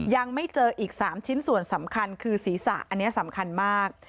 ยังไม่เจออีก๓ชิ้นส่วนสำคัญคือศีรษะอันนี้สำคัญมาก